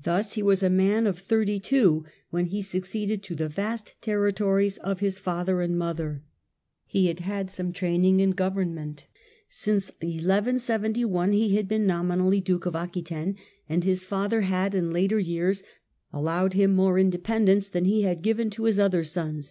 Thus he was a man of thirty two when he succeeded to the vast terri tories of his father and his mother. He had had some 40 PREPARATIONS FOR THE CRUSADE. training in government. Since 1 1 7 1 he had been nomi nally Duke of Aquitaine, and his father had in later years allowed him more independence than he had given to his other sons.